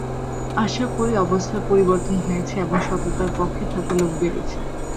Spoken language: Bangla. আশা করি, অবস্থার পরিবর্তন হয়েছে এবং সততার পক্ষে থাকার লোক বেড়েছে।